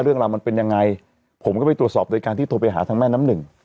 เรื่องราวมันเป็นยังไงผมก็ไปตรวจสอบโดยการที่โทรไปหาทางแม่น้ำหนึ่ง